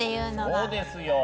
そうですよ。